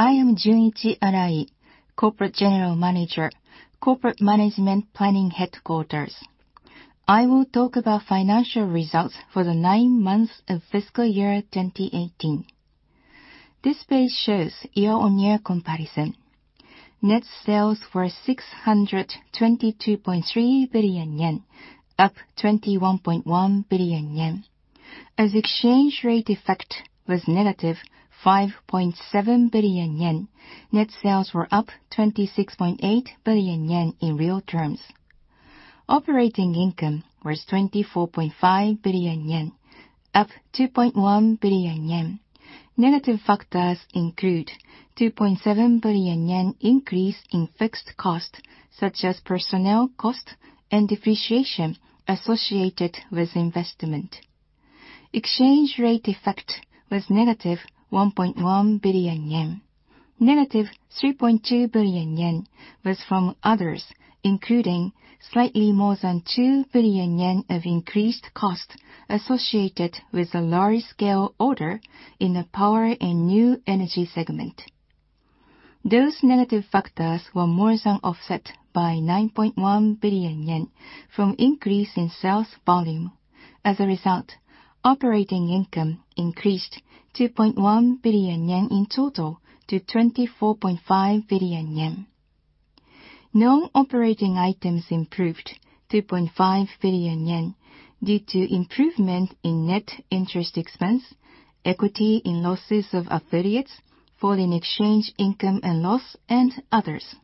I am Junichi Arai, Corporate General Manager, Corporate Management Planning Headquarters. I will talk about financial results for the nine months of fiscal year 2018. This page shows year-on-year comparison. Net sales were 622.3 billion yen, up 21.1 billion yen. As exchange rate effect was negative 5.7 billion yen, net sales were up 26.8 billion yen in real terms. Operating income was 24.5 billion yen, up 2.1 billion yen. Negative factors include 2.7 billion yen increase in fixed cost, such as personnel cost and depreciation associated with investment. Exchange rate effect was negative 1.1 billion yen. Negative 3.2 billion yen was from others, including slightly more than 2 billion yen of increased cost associated with a large-scale order in the Power and New Energy segment. Those negative factors were more than offset by 9.1 billion yen from increase in sales volume. Operating income increased 2.1 billion yen in total to 24.5 billion yen. Non-operating items improved 2.5 billion yen due to improvement in net interest expense, equity in losses of affiliates, foreign exchange income and loss, and others.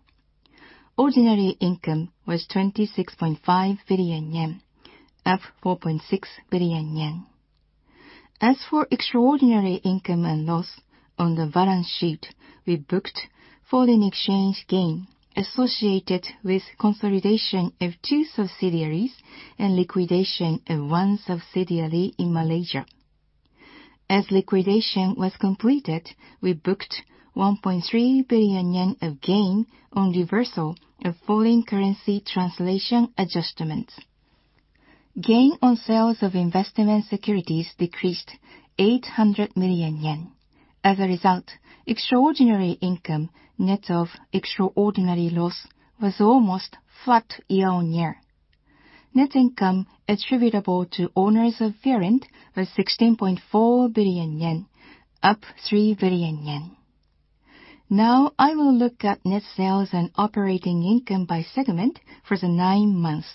Ordinary income was 26.5 billion yen, up 4.6 billion yen. For extraordinary income and loss on the balance sheet, we booked foreign exchange gain associated with consolidation of 2 subsidiaries and liquidation of one subsidiary in Malaysia. Liquidation was completed, we booked 1.3 billion yen of gain on reversal of foreign currency translation adjustments. Gain on sales of investment securities decreased 800 million yen. As a result, extraordinary income net of extraordinary loss was almost flat year-on-year. Net income attributable to owners of parent was 16.4 billion yen, up 3 billion yen. I will look at net sales and operating income by segment for the nine months.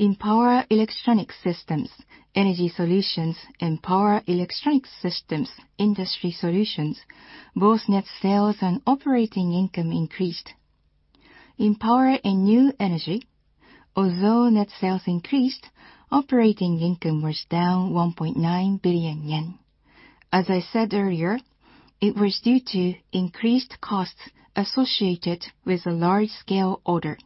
In Power Electronics Systems, Energy Solutions, and Power Electronics Systems, Industry Solutions, both net sales and operating income increased. In Power and New Energy, although net sales increased, operating income was down 1.9 billion yen. I said earlier, it was due to increased costs associated with a large-scale order.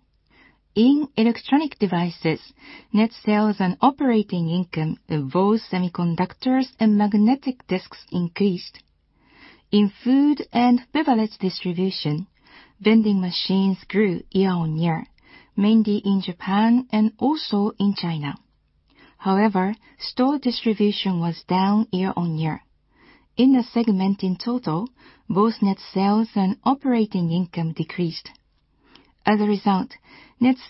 In Electronic Devices, net sales and operating income of both semiconductors and magnetic disks increased. In Food and Beverage Distribution, vending machines grew year-on-year, mainly in Japan and also in China. Store distribution was down year-on-year. In the segment in total, both net sales and operating income decreased. Net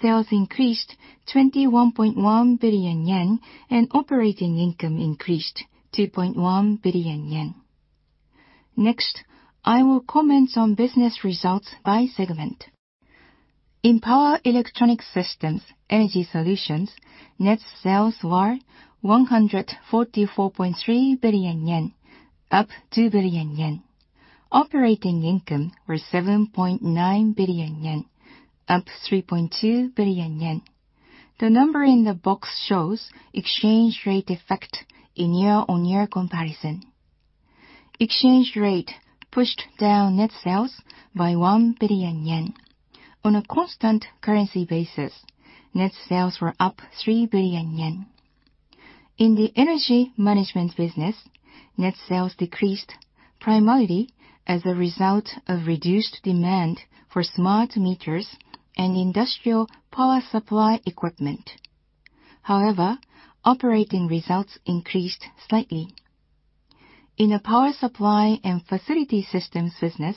sales increased 21.1 billion yen and operating income increased 2.1 billion yen. I will comment on business results by segment. In Power Electronics Systems, Energy Solutions, net sales were 144.3 billion yen, up 2 billion yen. Operating income was 7.9 billion yen, up 3.2 billion yen. The number in the box shows exchange rate effect in year-on-year comparison. Exchange rate pushed down net sales by 1 billion yen. On a constant currency basis, net sales were up 3 billion yen. In the energy management business, net sales decreased primarily as a result of reduced demand for smart meters and industrial power supply equipment. Operating results increased slightly. In the power supply and facility systems business,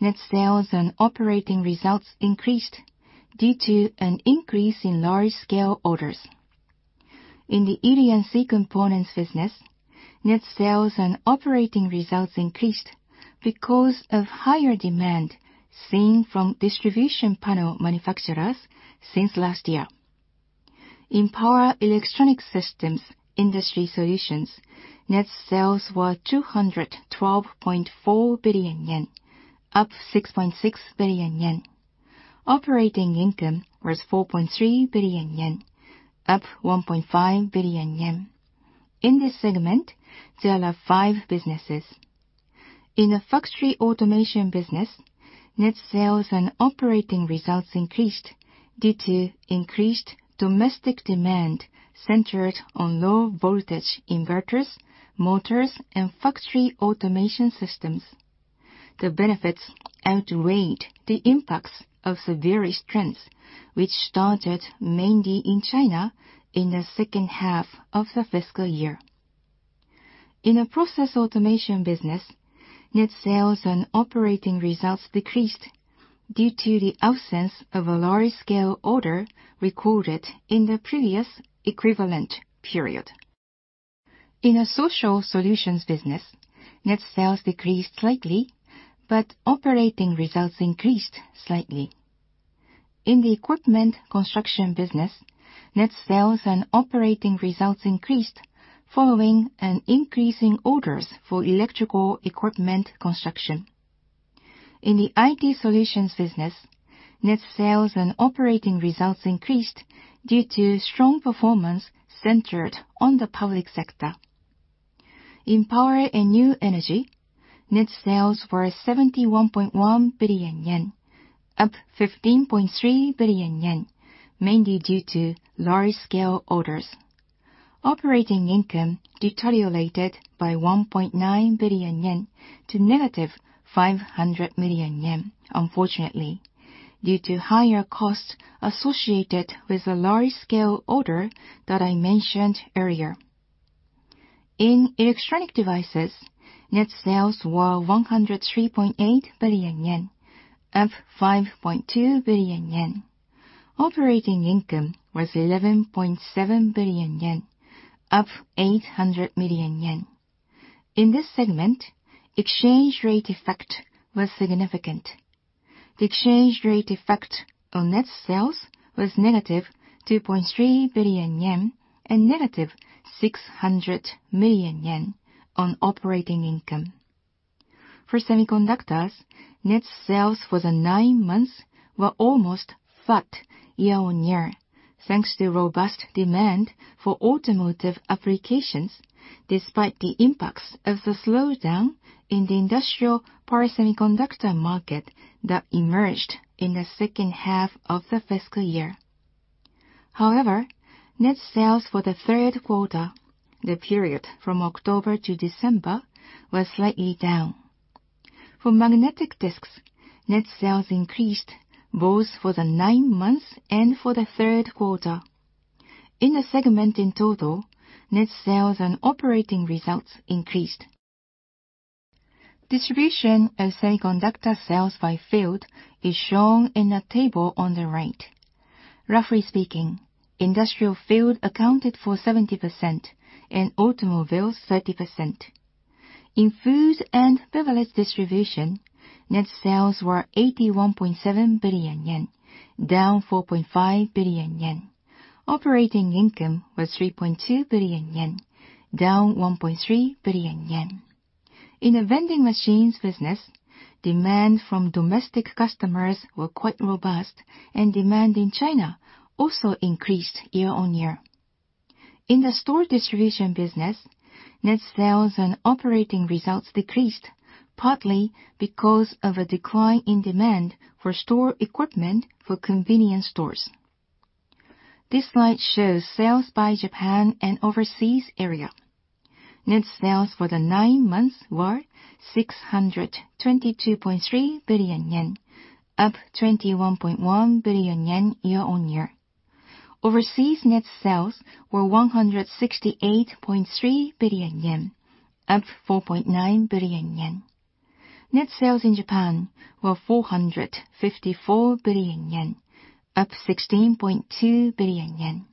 net sales and operating results increased due to an increase in large-scale orders. In the ED&C components business, net sales and operating results increased because of higher demand seen from distribution panel manufacturers since last year. In Power Electronics Systems, Industry Solutions, net sales were 212.4 billion yen, up 6.6 billion yen. Operating income was 4.3 billion yen, up 1.5 billion yen. In this segment, there are 5 businesses. In the factory automation business, net sales and operating results increased due to increased domestic demand centered on low voltage inverters, motors, and factory automation systems. The benefits outweighed the impacts of severe trends, which started mainly in China in the second half of the fiscal year. In the process automation business, net sales and operating results decreased due to the absence of a large-scale order recorded in the previous equivalent period. In the social solutions business, net sales decreased slightly, but operating results increased slightly. In the Equipment construction business, net sales and operating results increased following an increase in orders for electrical Equipment Construction. In the IT solutions business, net sales and operating results increased due to strong performance centered on the public sector. In Power and New Energy, net sales were 71.1 billion yen, up 15.3 billion yen, mainly due to large-scale orders. Operating income deteriorated by 1.9 billion yen to negative 500 million yen, unfortunately, due to higher costs associated with the large-scale order that I mentioned earlier. In Electronic Devices, net sales were 103.8 billion yen, up 5.2 billion yen. Operating income was 11.7 billion yen, up 800 million yen. In this segment, exchange rate effect was significant. The exchange rate effect on net sales was negative 2.3 billion yen and negative 600 million yen on operating income. For semiconductors, net sales for the nine months were almost flat year-on-year, thanks to robust demand for automotive applications, despite the impacts of the slowdown in the industrial power semiconductor market that emerged in the second half of the fiscal year. However, net sales for the third quarter, the period from October to December, were slightly down. For magnetic disks, net sales increased both for the nine months and for the third quarter. In the segment in total, net sales and operating results increased. Distribution of semiconductor sales by field is shown in the table on the right. Roughly speaking, industrial field accounted for 70% and automobiles 30%. In Food and Beverage Distribution, net sales were 81.7 billion yen, down 4.5 billion yen. Operating income was 3.2 billion yen, down 1.3 billion yen. In the vending machines business, demand from domestic customers were quite robust, and demand in China also increased year-on-year. In the store distribution business, net sales and operating results decreased, partly because of a decline in demand for store equipment for convenience stores. This slide shows sales by Japan and overseas area. Net sales for the nine months were 622.3 billion yen, up 21.1 billion yen year-on-year. Overseas net sales were 168.3 billion yen, up 4.9 billion yen. Net sales in Japan were 454 billion yen, up 16.2 billion yen.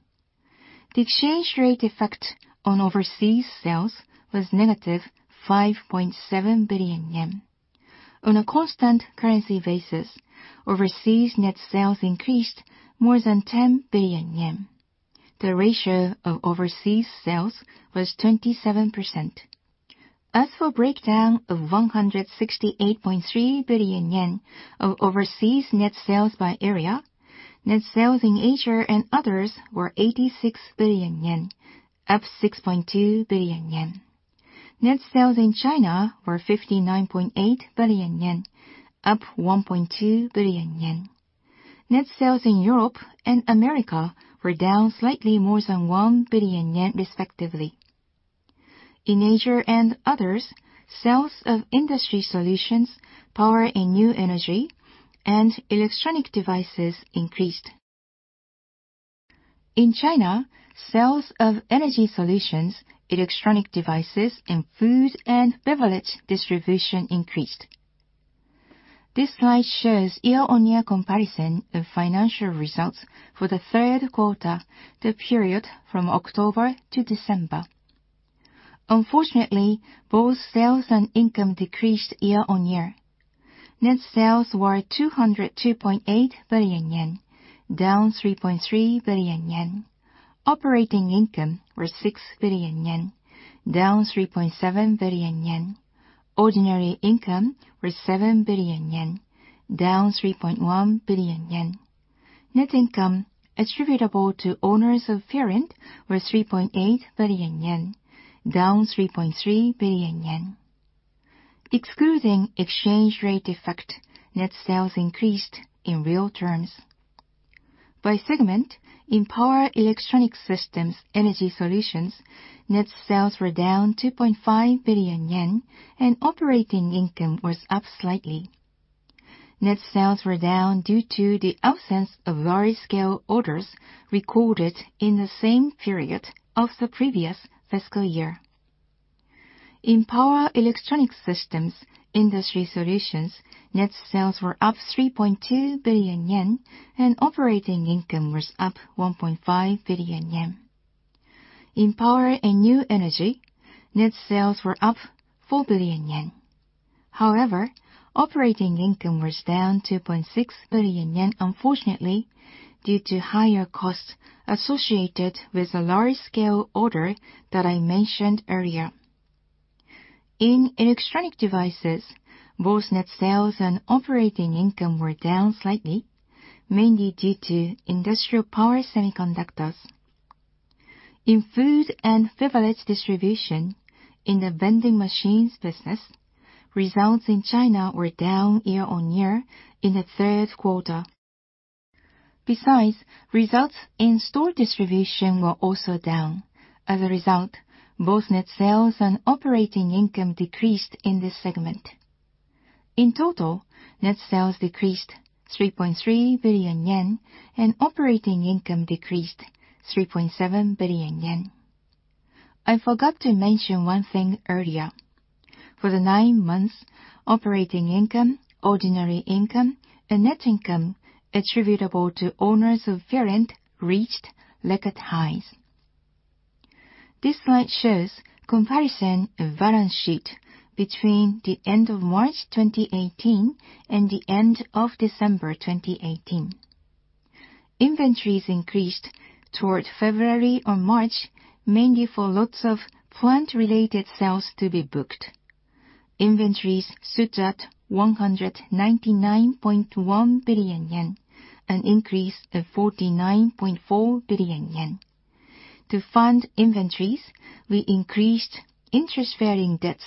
The exchange rate effect on overseas sales was negative 5.7 billion yen. On a constant currency basis, overseas net sales increased more than 10 billion yen. The ratio of overseas sales was 27%. As for breakdown of 168.3 billion yen of overseas net sales by area, net sales in Asia and others were 86 billion yen, up 6.2 billion yen. Net sales in China were 59.8 billion yen, up 1.2 billion yen. Net sales in Europe and America were down slightly more than 1 billion yen, respectively. In Asia and others, sales of Industry Solutions, Power and New Energy, and Electronic Devices increased. In China, sales of Energy Solutions, Electronic Devices, and Food and Beverage Distribution increased. This slide shows year-on-year comparison of financial results for the third quarter, the period from October to December. Unfortunately, both sales and income decreased year-on-year. Net sales were 202.8 billion yen, down 3.3 billion yen. Operating income was 6 billion yen, down 3.7 billion yen. Ordinary income was 7 billion yen, down 3.1 billion yen. Net income attributable to owners of parent was 3.8 billion yen, down 3.3 billion yen. Excluding exchange rate effect, net sales increased in real terms. By segment, in Power Electronics Systems, Energy Solutions, net sales were down 2.5 billion yen, and operating income was up slightly. Net sales were down due to the absence of large-scale orders recorded in the same period of the previous fiscal year. In Power Electronics Systems, Industry Solutions, net sales were up 3.2 billion yen, and operating income was up 1.5 billion yen. In Power and New Energy, net sales were up 4 billion yen. Operating income was down 2.6 billion yen, unfortunately, due to higher costs associated with a large-scale order that I mentioned earlier. In Electronic Devices, both net sales and operating income were down slightly, mainly due to industrial power semiconductors. In Food and Beverage Distribution in the vending machines business, results in China were down year-over-year in the third quarter. Results in store distribution were also down. As a result, both net sales and operating income decreased in this segment. In total, net sales decreased 3.3 billion yen, and operating income decreased 3.7 billion yen. I forgot to mention one thing earlier. For the nine months, operating income, ordinary income, and net income attributable to owners of parent reached record highs. This slide shows comparison of balance sheet between the end of March 2018 and the end of December 2018. Inventories increased towards February or March, mainly for lots of plant-related sales to be booked. Inventories stood at 199.1 billion yen, an increase of 49.4 billion yen. To fund inventories, we increased interest-bearing debts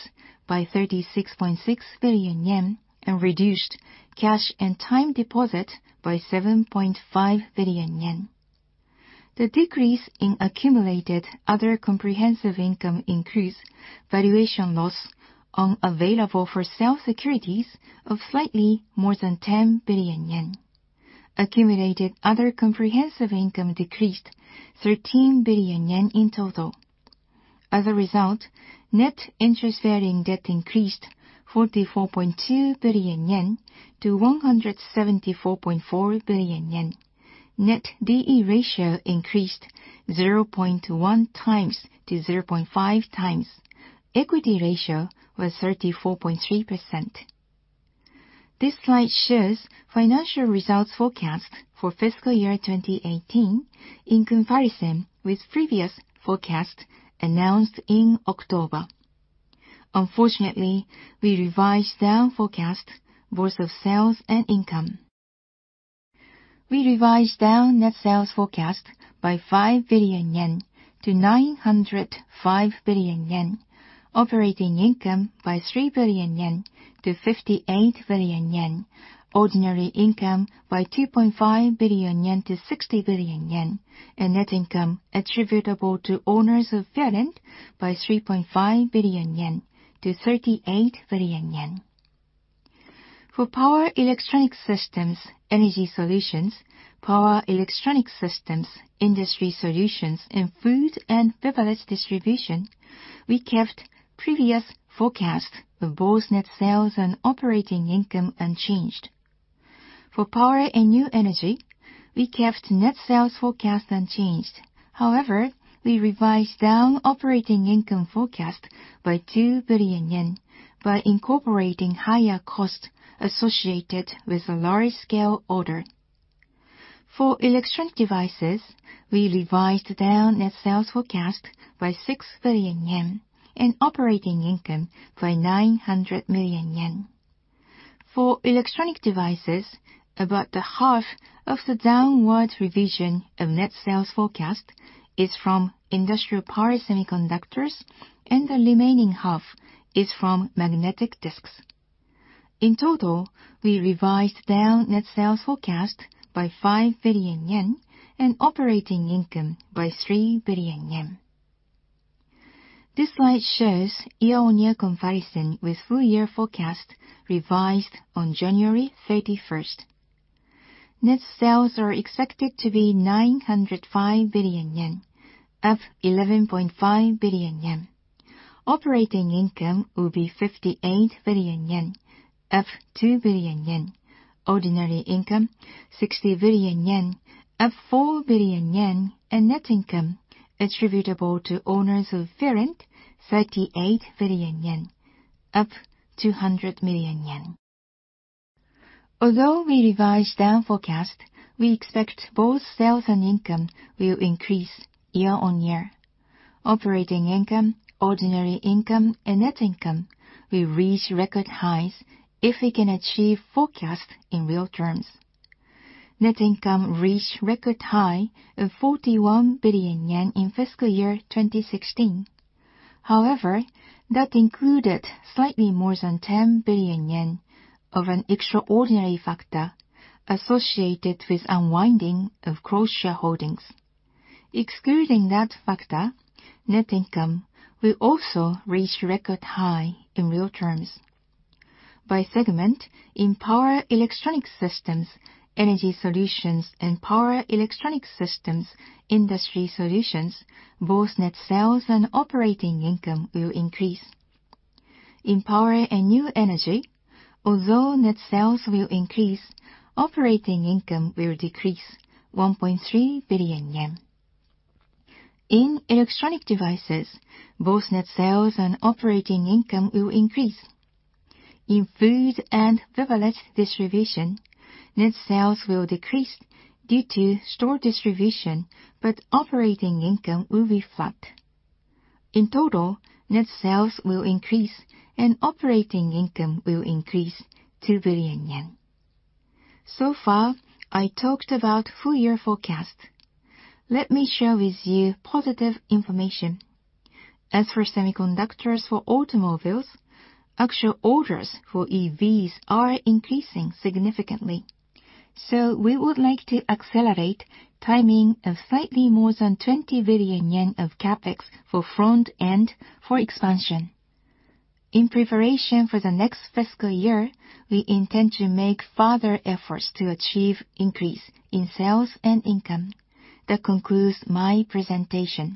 by 36.6 billion yen and reduced cash and time deposit by 7.5 billion yen. The decrease in accumulated other comprehensive income includes valuation loss on available-for-sale securities of slightly more than 10 billion yen. Accumulated other comprehensive income decreased 13 billion yen in total. Net interest-bearing debt increased 44.2 billion yen to 174.4 billion yen. Net D/E ratio increased 0.1 times to 0.5 times. Equity ratio was 34.3%. This slide shares financial results forecast for fiscal year 2018 in comparison with previous forecast announced in October. We revised down forecast both of sales and income. We revised down net sales forecast by 5 billion yen to 905 billion yen, operating income by 3 billion yen to 58 billion yen, ordinary income by 2.5 billion yen to 60 billion yen, and net income attributable to owners of parent by 3.5 billion yen to 38 billion yen. For Power Electronics Systems, Energy Solutions, Power Electronics Systems, Industry Solutions, and Food and Beverage Distribution, we kept previous forecasts of both net sales and operating income unchanged. For Power and New Energy, we kept net sales forecast unchanged. We revised down operating income forecast by 2 billion yen by incorporating higher cost associated with a large-scale order. For Electronic Devices, we revised down net sales forecast by 6 billion yen and operating income by 900 million yen. For Electronic Devices, about the half of the downward revision of net sales forecast is from industrial power semiconductors, and the remaining half is from magnetic disks. In total, we revised down net sales forecast by 5 billion yen and operating income by 3 billion yen. This slide shows year-on-year comparison with full year forecast revised on January 31st. Net sales are expected to be 905 billion yen, up 11.5 billion yen. Operating income will be 58 billion yen, up 2 billion yen. Ordinary income, 60 billion yen, up 4 billion yen. Net income attributable to owners of parent, 38 billion yen, up 200 million yen. Although we revised down forecast, we expect both sales and income will increase year-on-year. Operating income, ordinary income, and net income will reach record highs if we can achieve forecast in real terms. Net income reached record high of 41 billion yen in fiscal year 2016. However, that included slightly more than 10 billion yen of an extraordinary factor associated with unwinding of cross-shareholdings. Excluding that factor, net income will also reach record high in real terms. By segment, in Power Electronics Systems, Energy Solutions, and Power Electronics Systems, Industry Solutions, both net sales and operating income will increase. In Power and New Energy, although net sales will increase, operating income will decrease 1.3 billion yen. In Electronic Devices, both net sales and operating income will increase. In Food and Beverage Distribution, net sales will decrease due to store distribution, but operating income will be flat. In total, net sales will increase, and operating income will increase 2 billion yen. So far, I talked about full year forecast. Let me share with you positive information. As for semiconductors for automobiles, actual orders for EVs are increasing significantly. We would like to accelerate timing of slightly more than 20 billion yen of CapEx for front end for expansion. In preparation for the next fiscal year, we intend to make further efforts to achieve increase in sales and income. That concludes my presentation.